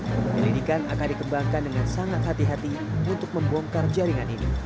penyelidikan akan dikembangkan dengan sangat hati hati untuk membongkar jaringan ini